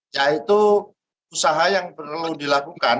yaitu usaha yang perlu dilakukan